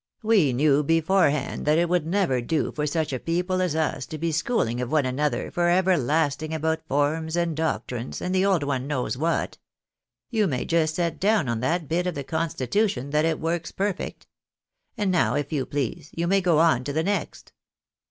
We knew beforehand that it would never do for such a people as us to be schooling of one another for everlasting about forms and doctrines, and the old one knows what. You may just set down on that bit of the constitu tion, that it works perfect. And now, if you please, you may go on to the next."